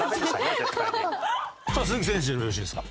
さあ鈴木選手でよろしいですか？